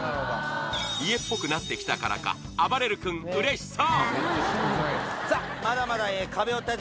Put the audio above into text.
家っぽくなってきたからか、あばれる君、うれしそう。